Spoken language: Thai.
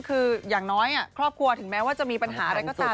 คืออย่างน้อยครอบครัวถึงแม้ว่าจะมีปัญหาอะไรก็ตาม